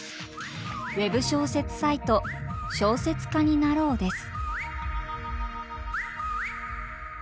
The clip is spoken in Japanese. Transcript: ＷＥＢ小説サイト「小説家になろう」です。